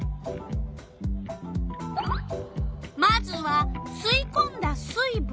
まずは「すいこんだ水ぶん」？